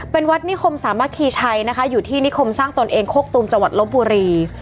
เป็นวัดนิคมสามัคคีชัยนะคะอยู่ที่นิคมสร้างตนเองโคกตุมจังหวัดลบบุรี